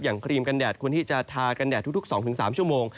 ครีมกันแดดควรที่จะทากันแดดทุก๒๓ชั่วโมง